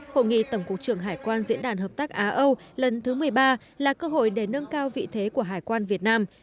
hội nghị tổng cục trưởng hải quan diễn đàn hợp tác á âu lần thứ một mươi ba là cơ hội để nâng cao vị thế của hải quan việt nam